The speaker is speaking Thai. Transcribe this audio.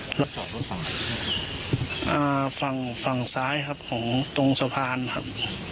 กร้องรอฝั่งอยู่ที่ฝั่งซ้ายครับของตรงสะพานครับ